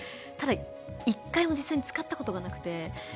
ただ、１回も実際には使ったことがなくて。